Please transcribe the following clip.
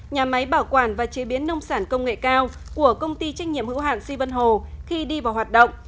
nhà máy bảo quản và chế biến nông sản công nghệ cao của công ty trách nhiệm hữu hạn duy vân hồ khi đi vào hoạt động